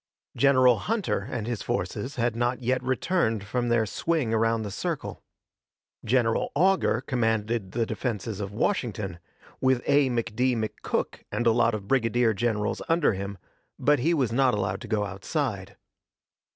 General Hunter and his forces had not yet returned from their swing around the circle. General Augur commanded the defenses of Washington, with A. McD. McCook and a lot of brigadier generals under him, but he was not allowed to go outside.